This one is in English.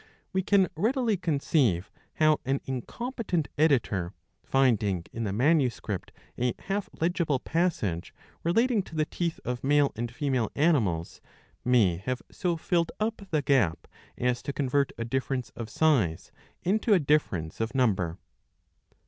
We can readily conceive how an incompetent editor, finding in the manuscript a half legible passage relating to the teeth of male and female animals, may have so filled up the gap as to convert a difference of size into a difference of number."